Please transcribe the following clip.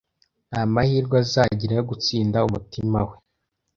Nta mahirwe azagira yo gutsinda umutima we.